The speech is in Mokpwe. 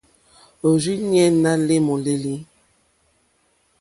Òrzìɲɛ́ ná lê môlélí.